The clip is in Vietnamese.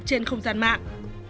trên không gian mạng